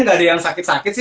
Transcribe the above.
gak ada yang sakit sakit sih